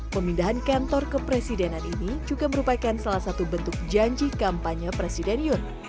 pemindahan kantor kepresidenan ini juga merupakan salah satu bentuk janji kampanye presiden yun